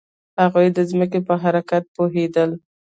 هغوی د ځمکې په حرکت پوهیدل.